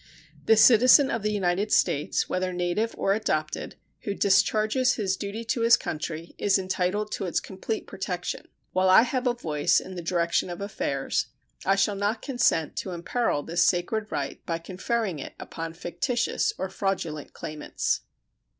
The citizen of the United States, whether native or adopted, who discharges his duty to his country, is entitled to its complete protection. While I have a voice in the direction of affairs I shall not consent to imperil this sacred right by conferring it upon fictitious or fraudulent claimants.